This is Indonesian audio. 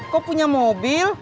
kok punya mobil